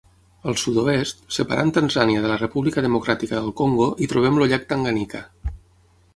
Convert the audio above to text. Al sud-oest, separant Tanzània de la República Democràtica del Congo, hi trobem el llac Tanganika.